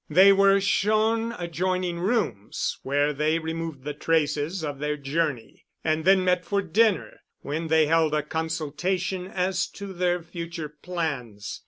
They were shown adjoining rooms where they removed the traces of their journey, and then met for dinner, when they held a consultation as to their future plans.